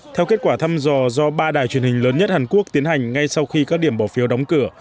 theo kết quả thăm dò do ba đài truyền hình lớn nhất hàn quốc tiến hành ngay sau khi các điểm bỏ phiếu đóng cửa